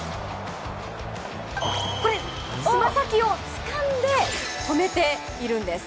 爪先をつかんで、止めているんです。